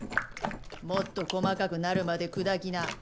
もっと細かくなるまで砕きな。